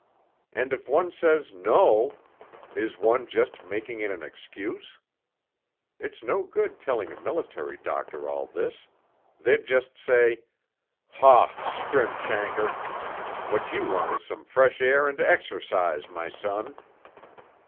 And if one says "No," is one just making it an excuse?... It's no good telling a military doctor all this ... they'd just say, "Haw, skrim shanker! what you want is some fresh air and exercise, my son!..."